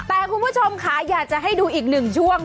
แต่คุณผู้ชมค่ะอยากจะให้ดูอีกหนึ่งช่วง